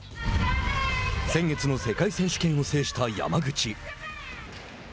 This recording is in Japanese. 先月の世界選手権を制した山口。